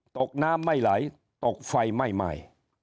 ตกน้ำไม่ไหลตกไฟไม่ไหม้